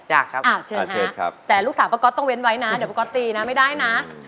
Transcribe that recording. อยากครับเชิญฮะแต่ลูกสาวป้าก๊อตต้องเว้นไว้นะเดี๋ยวป้าก๊อตตีนะไม่ได้นะ